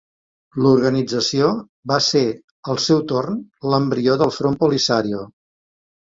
L'organització va ser al seu torn l'embrió del Front Polisario.